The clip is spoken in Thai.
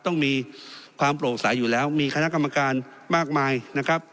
ต้องมีความโปร่งใสอยู่แล้วมีคณะกรรมการมากมายนะครับ